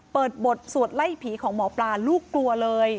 เปิดบทสวดไล่ผีของหมอปลาลูกกลัวเลย